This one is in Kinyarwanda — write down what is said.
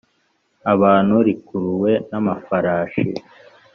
Abantu rikuruwe n amafarashi